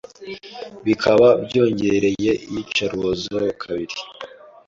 Bikaba byongereye iyicarubozo kabiri